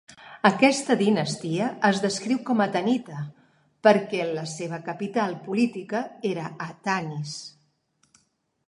Aquesta dinastia es descriu com a Tanite perquè la seva capital política era a Tanis.